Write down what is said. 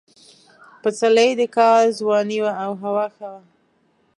پسرلی د کال ځواني وه او هوا ښه وه.